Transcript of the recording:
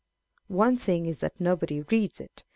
1 One tiling is that nobody reads it.